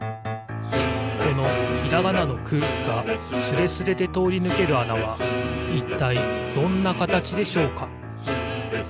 このひらがなの「く」がスレスレでとおりぬけるあなはいったいどんなかたちでしょうか？